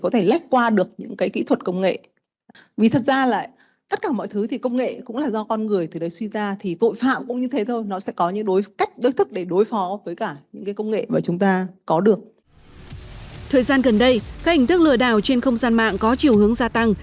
thời gian gần đây các hình thức lừa đảo trên không gian mạng có chiều hướng gia tăng